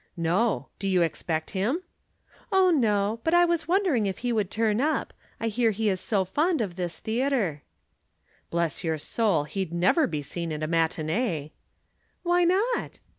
"No. Do you expect him?" "Oh, no; but I was wondering if he would turn up. I hear he is so fond of this theatre." "Bless your soul, he'd never be seen at a matinée." "Why not?"